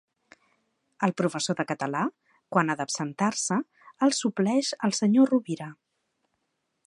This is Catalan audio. El professor de català, quan ha d'absentar-se, el supleix el senyor Rovira.